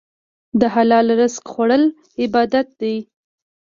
د حلال رزق خوړل عبادت دی.